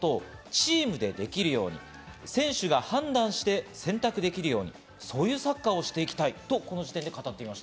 チームでできるように、選手が判断して選択できるように、そういうサッカーをしていきたいとこの時点で語っていました。